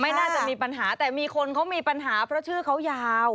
น่าจะมีปัญหาแต่มีคนเขามีปัญหาเพราะชื่อเขายาว